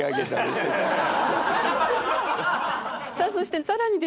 さあそしてさらにですね